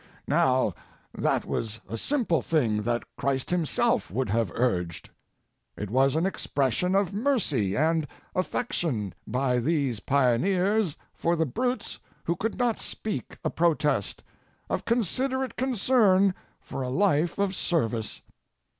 Now that was a simple thing that Christ himself would have urged; it was an expression of mercy and affection by these pioneers for the brutes who could not speak a protest, of considerate concern for a life of service.